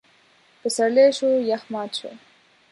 پسرلی شو؛ يخ مات شو.